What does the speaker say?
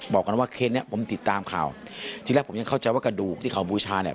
บอกกันว่าเคสเนี้ยผมติดตามข่าวที่แรกผมยังเข้าใจว่ากระดูกที่เขาบูชาเนี่ย